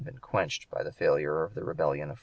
105) been quenched by the failure of the Rebellion of '45.